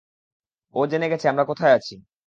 ও জেনে গেছে আমরা কোথায় আছি!